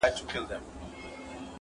پر خپل کور به د مرګي لاري سپرې کړي!!